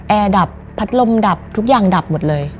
แดดับพัดลมดับทุกอย่างดับหมดเลย